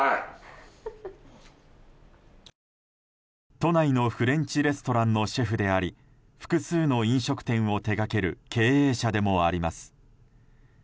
都内のフレンチレストランのシェフであり複数の飲食店を手掛ける経営者でもあります。